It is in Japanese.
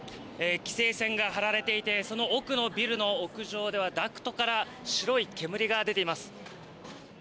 規制線が張られていてその奥のビルの屋上ではダクトから白い煙が出ています。